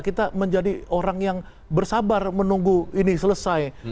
kita menjadi orang yang bersabar menunggu ini selesai